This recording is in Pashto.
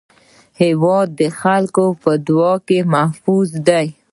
هېواد د خلکو په دعا کې محفوظ دی.